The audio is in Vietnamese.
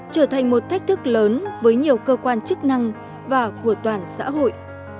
trở thành một thách thức lớn với nhiều cơ quan chức năng và của toàn xã hội